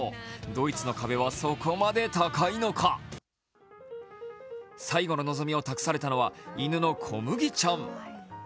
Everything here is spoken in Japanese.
ドイツの壁は、そこまで高いのか最後の望みを託されたのは犬のコムギちゃん。